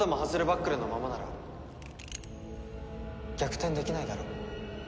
バックルのままなら逆転できないだろ？